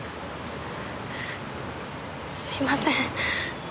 すいません。